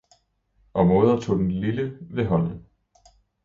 Og moder tog den lille ved hånden.